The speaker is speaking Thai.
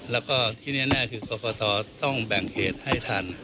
แล้วก็ที่แน่คือกรกตต้องแบ่งเขตให้ทัน